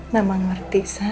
mama ngerti sa